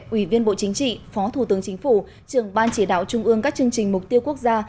ủy viên bộ chính trị phó thủ tướng chính phủ trường ban chỉ đạo trung ương các chương trình mục tiêu quốc gia